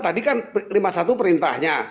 tadi kan lima puluh satu perintahnya